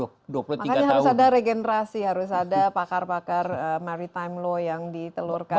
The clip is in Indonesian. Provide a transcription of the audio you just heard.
makanya harus ada regenerasi harus ada pakar pakar maritime law yang ditelurkan